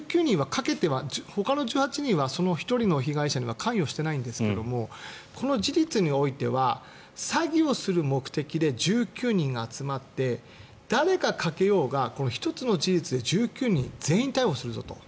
ほかの１８人はその１人の被害者には関与していないんですけれどもこの事実においては詐欺をする目的で１９人が集まって誰がかけようが１つの事実で１９人全員を逮捕するぞと。